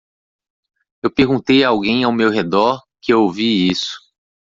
Eu perguntei a alguém ao meu redor que eu ouvi isso.